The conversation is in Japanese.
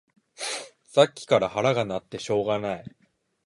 さっきから腹が鳴ってしょうがない